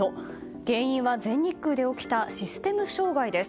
原因は全日空で起きたシステム障害です。